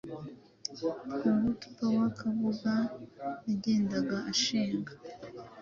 twa Hutu Power Kabuga yagendaga ashinga